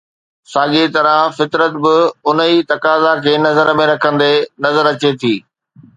ساڳيءَ طرح فطرت به ان ئي تقاضا کي نظر ۾ رکندي نظر اچي ٿي